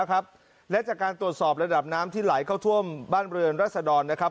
และจากการตรวจสอบระดับน้ำที่ไหลเข้าท่วมบ้านเรือนรัศดรนะครับ